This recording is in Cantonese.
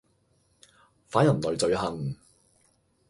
反人類罪行